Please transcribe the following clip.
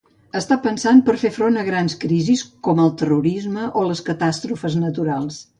Està pensat per fer front a grans crisis com el terrorisme o les catàstrofes naturals.